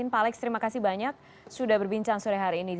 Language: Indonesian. pak alex terima kasih banyak sudah berbincang sore hari ini